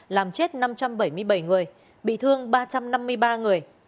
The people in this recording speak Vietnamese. làm chết năm trăm bảy mươi bảy người bị thương ba trăm năm mươi ba người